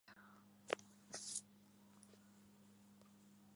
This meant that recordings by pianist Michael Garrick were particularly well represented.